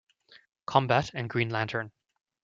Combat", and "Green Lantern".